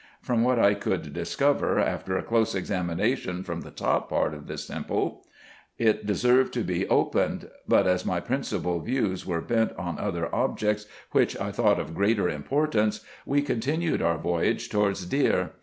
From what I could discover, after a close examination from the top part of this temple, it deserved to be opened ; but as my principal views were bent on other objects, which I thought of greater importance, we continued our voyage towards Deir.